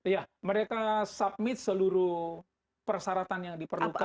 ya mereka submit seluruh persyaratan yang diperlukan